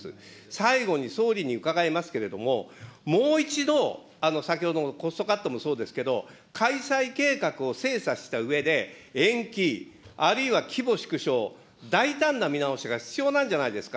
最後に、総理に伺いますけれども、もう一度、先ほどのコストカットもそうですけど、開催計画を精査したうえで、延期、あるいは規模縮小、大胆な見直しが必要なんじゃないですか。